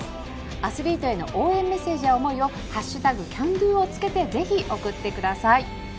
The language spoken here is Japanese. アスリートへの応援メッセージや思いを「＃ＣＡＮＤＯ」をつけてぜひ送ってください。